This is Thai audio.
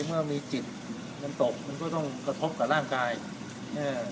เมื่อมีจิตมันตกมันก็ต้องกระทบกับร่างกายเอ่อ